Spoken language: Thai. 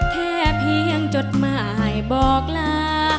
แค่เพียงจดหมายบอกลา